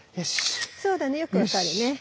そうだねよく分かるね。